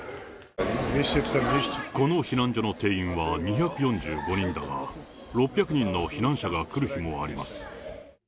この避難所の定員は２４５人だが、６００人の避難者が来る日もあります。